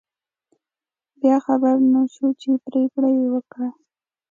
بیا خبر نشو، څه پرېکړه یې وکړه.